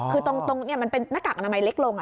คือตรงมันเป็นหน้ากากอนามัยเล็กลง